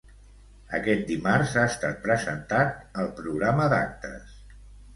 Aquest dimarts ha estat presentat el programa d'actes.